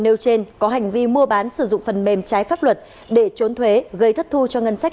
nêu trên có hành vi mua bán sử dụng phần mềm trái pháp luật để trốn thuế gây thất thu cho ngân sách